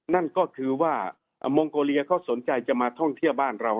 นั่นก็คือว่ามองโกเลียเขาสนใจจะมาท่องเที่ยวบ้านเรา